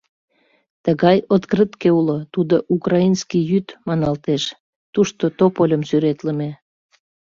Тыгай открытке уло, тудо «Украинский йӱд» маналтеш, тушто топольым сӱретлыме.